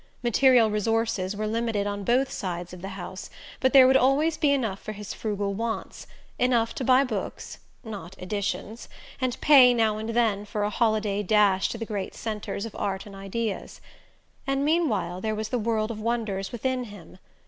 Material resources were limited on both sides of the house, but there would always be enough for his frugal wants enough to buy books (not "editions"), and pay now and then for a holiday dash to the great centres of art and ideas. And meanwhile there was the world of wonders within him.